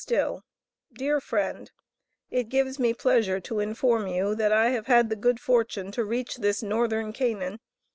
STILL, DEAR FRIEND: It gives me pleasure to inform you that I have had the good fortune to reach this northern Canaan.